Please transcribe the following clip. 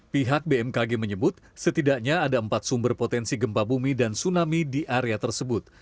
pihak bmkg menyebut setidaknya ada empat sumber potensi gempa bumi dan tsunami di area tersebut